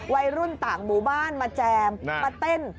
วัยรุ่นต่างหมู่บ้านมาแจมมาเต้น